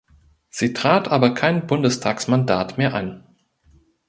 Sie trat aber kein Bundestagsmandat mehr an.